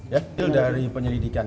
ya dari penyelidikan